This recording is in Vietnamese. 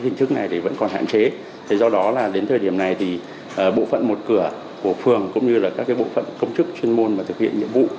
như là các bộ phận công chức chuyên môn mà thực hiện nhiệm vụ